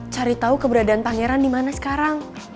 cari tau keberadaan pangeran dimana sekarang